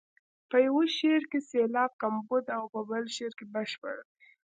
په یو شعر کې سېلاب کمبود او په بل کې بشپړ دی.